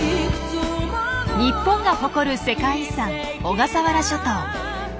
日本が誇る世界遺産小笠原諸島。